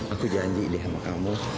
aku janji deh sama kamu